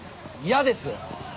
嫌です。